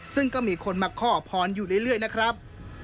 ซึ่งก็มีคนมาขอพรอยู่เรื่อยนะครับ